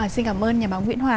xin cảm ơn nhà báo nguyễn hòa